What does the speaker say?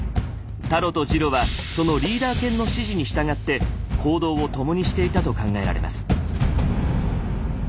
タロとジロはそのリーダー犬の指示に従って行動を共にしていたと考えられます。